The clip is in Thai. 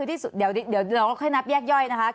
๕จุดที่จะว่าเดี๋ยวเราก็ค่อยนับแยกไย้นะคะ